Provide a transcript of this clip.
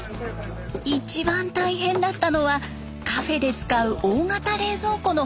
一番大変だったのはカフェで使う大型冷蔵庫の搬入。